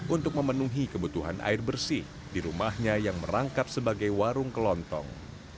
untuk memenuhi kebutuhan air bersih di rumahnya yang merangkap sebagai warung kelontong